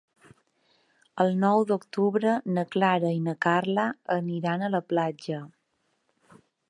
El nou d'octubre na Clara i na Carla aniran a la platja.